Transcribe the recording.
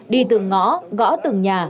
đi từ ngõ gõ từng nhà